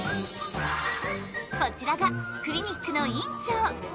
こちらがクリニックの院長。